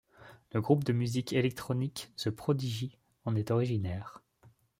Le groupe de musique électronique The Prodigy en est originaire.